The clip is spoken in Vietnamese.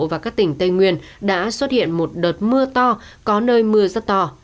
và các tỉnh tây nguyên đã xuất hiện một đợt mưa to có nơi mưa rất to